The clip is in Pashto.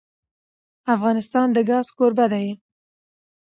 افغانستان د ګاز کوربه دی.